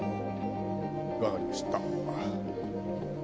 わかりました。